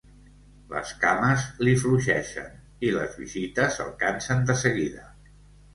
Les cames li fluixegen i les visites el cansen de seguida.